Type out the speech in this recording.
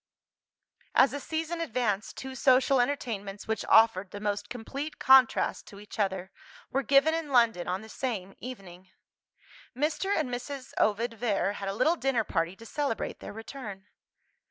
As the season advanced, two social entertainments which offered the most complete contrast to each other, were given in London on the same evening. Mr. and Mrs. Ovid Vere had a little dinner party to celebrate their return.